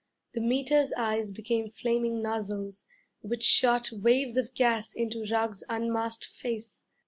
The Meter's eyes became flaming nozzles, which shot waves of gas into Ruggs's unmasked face.